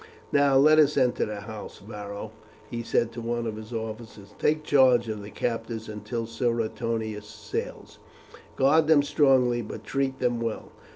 Now, let us enter the house. Varo," he said to one of his officers, "take charge of the captives until Suetonius sails. Guard them strongly, but treat them well.